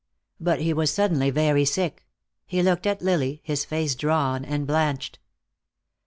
But he was suddenly very sick. He looked at Lily, his face drawn and blanched.